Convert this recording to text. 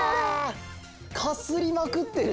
かすりまくってる！